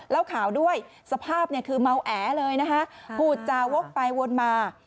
ข่าวด้วยสภาพเนี่ยคือเมาแอเลยนะคะพูดจาวกไปวนมา